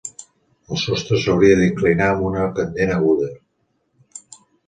El sostre s'hauria d'inclinar amb una pendent aguda.